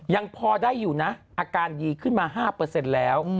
ยังพอได้อยู่นะอาการดีขึ้นมา๕แล้ว